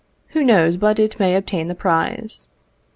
Who knows but it may obtain the prize?